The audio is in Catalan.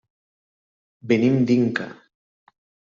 Venim d'Inca.